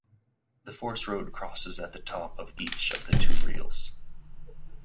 The forest road crosses at the top of each of the two reels.